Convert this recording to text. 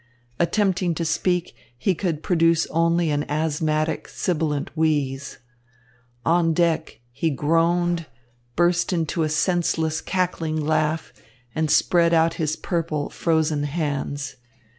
Attempting to speak, he could produce only an asthmatic, sibilant wheeze. On deck, he groaned, burst into a senseless, cackling laugh, and spread out his purple, frozen hands.